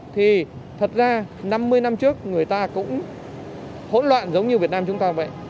thì thật ra năm mươi năm trước người ta cũng hỗn loạn giống như việt nam chúng ta vậy